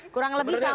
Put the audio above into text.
kurang lebih sama